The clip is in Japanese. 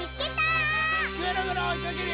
ぐるぐるおいかけるよ！